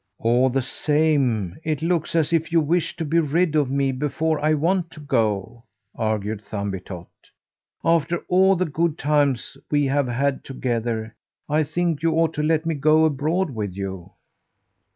"All the same it looks as if you wished to be rid of me before I want to go," argued Thumbietot. "After all the good times we have had together, I think you ought to let me go abroad with you."